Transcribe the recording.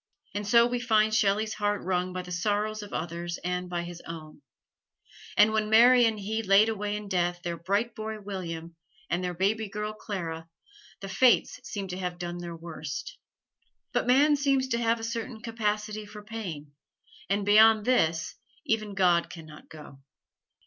And so we find Shelley's heart wrung by the sorrows of others and by his own; and when Mary and he laid away in death their bright boy William and their baby girl Clara, the Fates seemed to have done their worst. But man seems to have a certain capacity for pain, and beyond this even God can not go.